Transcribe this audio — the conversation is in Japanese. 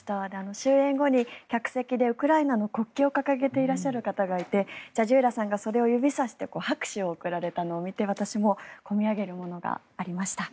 終演後に客席でウクライナの国旗を掲げていらっしゃる方もいてジャジューラさんがそれを指さして拍手を送られたのを見て私も込み上げるものがありました。